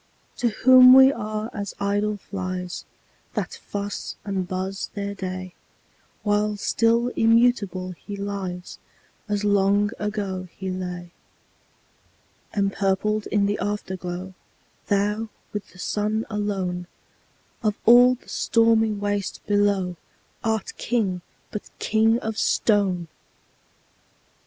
To whom we are as idle flies, That fuss and buzz their day; While still immutable he lies, As long ago he lay. Empurpled in the Afterglow, Thou, with the Sun alone, Of all the stormy waste below, Art King, but king of stone!